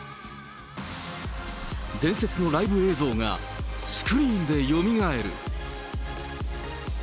伝説のライブ映像がスクリーンでよみがえる。